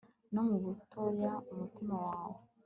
no mu butoya umutima wawe